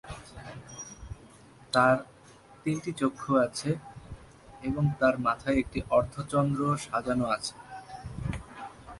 তাঁর তিনটি চক্ষু আছে এবং তাঁর মাথায় একটি অর্ধচন্দ্র সাজানো আছে।